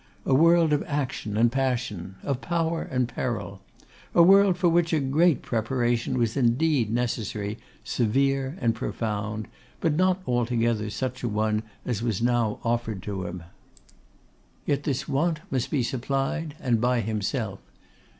A world of action and passion, of power and peril; a world for which a great preparation was indeed necessary, severe and profound, but not altogether such an one as was now offered to him. Yet this want must be supplied, and by himself.